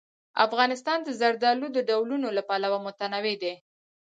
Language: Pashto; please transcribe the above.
افغانستان د زردالو د ډولونو له پلوه متنوع دی.